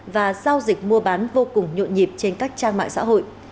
và giao dịch mua bán vô cùng nhộn nhịp trên các trang mạng xã hội